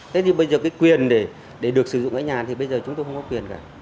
thế thì bây giờ cái quyền để được sử dụng ở nhà thì bây giờ chúng tôi không có quyền cả